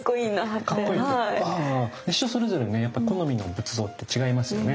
人それぞれねやっぱ好みの仏像って違いますよね。